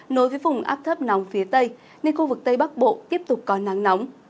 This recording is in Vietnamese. nối với vùng áp thấp nóng phía tây nên khu vực tây bắc bộ tiếp tục có nắng nóng